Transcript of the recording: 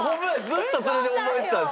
ずっとそれで覚えてたんですって。